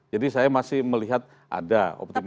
jadi saya masih melihat ada optimisme itu